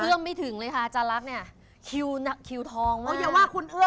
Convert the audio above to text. เอื้อมไม่ถึงเลยคะจารักษ์เคิวท้องมาก